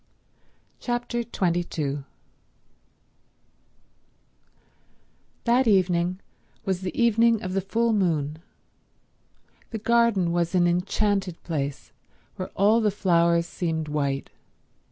Chapter 22 That evening was the evening of the full moon. The garden was an enchanted place where all the flowers seemed white.